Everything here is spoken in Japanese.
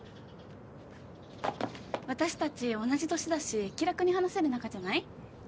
私たち、同じ年だし気楽に話せる仲じゃない？